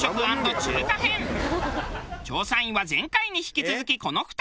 調査員は前回に引き続きこの２人。